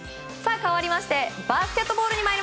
かわりましてバスケットボールです。